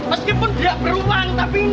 meskipun dia beruang tapi ini warga